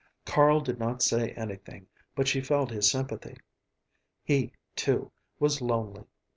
Carl did not say anything, but she felt his sympathy. He, too, was lonely.